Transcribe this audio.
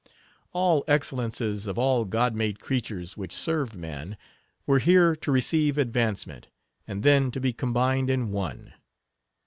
All excellences of all God made creatures, which served man, were here to receive advancement, and then to be combined in one.